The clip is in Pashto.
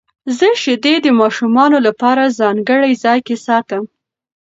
زه شیدې د ماشومانو لپاره ځانګړي ځای کې ساتم.